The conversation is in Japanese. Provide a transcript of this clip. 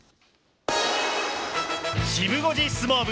シブ５時相撲部。